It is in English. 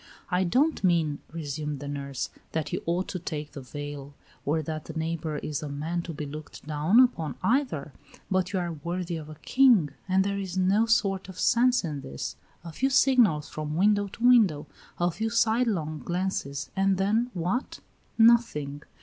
"I don't mean," resumed the nurse, "that you ought to take the veil, or that the neighbor is a man to be looked down upon either; but you are worthy of a king, and there is no sort of sense in this. A few signals from window to window; a few sidelong glances, and then what? Nothing.